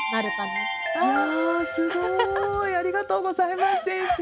すごいありがとうございます先生。